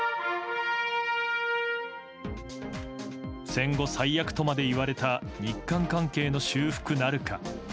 戦後最悪とまで言われた日韓関係の修復なるか。